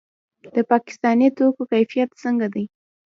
د پاکستاني توکو کیفیت څنګه دی؟